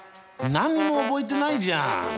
何にも覚えてないじゃん！